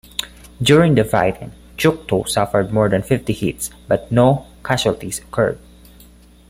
During the fighting, "Choctaw" suffered more than fifty hits, but no casualties occurred.